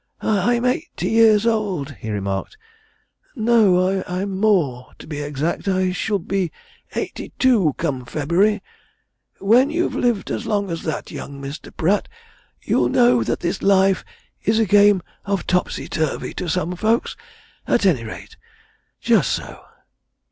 "I'm eighty years old," he remarked. "No, I'm more, to be exact. I shall be eighty two come February. When you've lived as long as that, young Mr. Pratt, you'll know that this life is a game of topsy turvy to some folks, at any rate. Just so!"